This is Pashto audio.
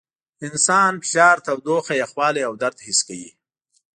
انسان فشار، تودوخه، یخوالي او درد حس کوي.